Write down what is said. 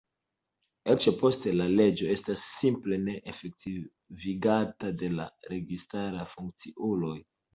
Eĉ poste, la leĝo estas simple ne efektivigata de la registaraj funkciuloj.